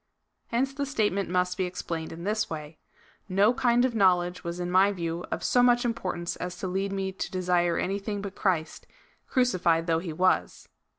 Hence the statement must be ex plained in this way :" No kind of knowledge was in my view of so much importance as to lead me to desire any thing but Christ, crucified though he was."